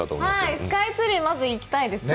スカイツリーまず行きたいですね。